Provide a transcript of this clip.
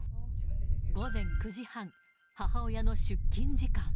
午前９時半、母親の出勤時間。